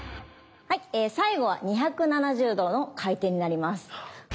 最後は２７０度の回転になります。